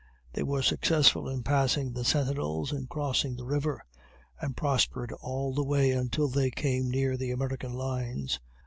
They were successful in passing the sentinels, and crossing the river, and prospered all the way until they came near the American lines.